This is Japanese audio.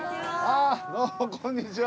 こんにちは。